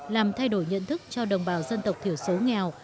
làm thay đổi nhận thức cho đồng bào dân tộc thiểu số nghèo